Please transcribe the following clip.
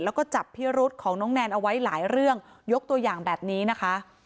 แล้วก็จับพิรุษของน้องแนนเอาไว้หลายเรื่องยกตัวอย่างแบบนี้นะคะ